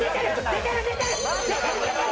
出てる出てる！